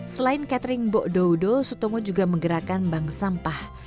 selain catering bok dodo sutomo juga menggerakkan bang sampah